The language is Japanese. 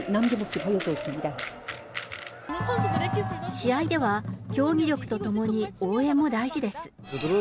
試合では、競技力とともに応援も大事です。